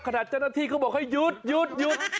ขนาดเจ้าหน้าที่เขาบอกให้หยุดหยุดหยุด